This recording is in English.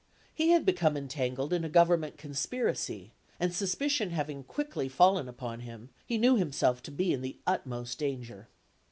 He had become entangled in a Government conspiracy; and suspicion having quickly fallen upon him, he knew himself to be in the utmost danger.